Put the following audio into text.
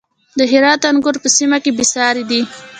د هرات انګور په سیمه کې بې ساري دي.